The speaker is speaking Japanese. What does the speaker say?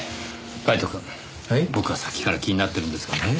カイトくん僕はさっきから気になってるんですがね